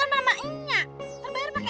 kalau belum balik jangan pergi dia diem situ